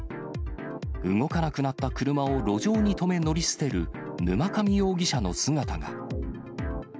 動かなくなった車を路上に止め、乗り捨てる、沼上容疑者の姿が。